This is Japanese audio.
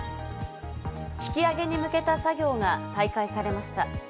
引き揚げに向けた作業が再開されました。